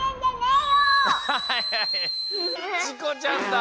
チコちゃんだ。